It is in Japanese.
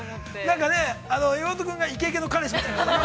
◆なんかね、岩本君がイケイケの彼氏みたいなね。